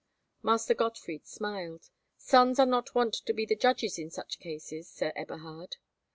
Master Gottfried smiled. "Sons are not wont to be the judges in such cases, Sir Eberhard."